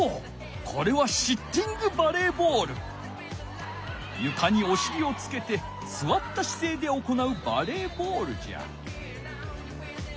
これはゆかにおしりをつけてすわったしせいで行うバレーボールじゃ。